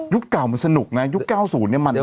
เก่ามันสนุกนะยุค๙๐เนี่ยมัน